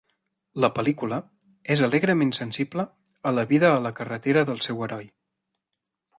La pel·lícula és alegrement sensible a la vida a la carretera del seu heroi.